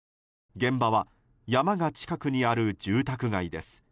現場は山が近くにある住宅街です。